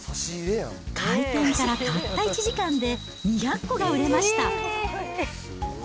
開店からたった１時間で、２００個が売れました。